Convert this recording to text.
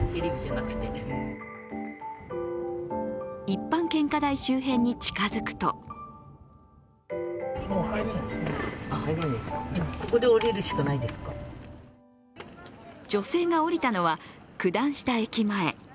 一般献花台周辺に近づくと女性が降りたのは九段下駅前。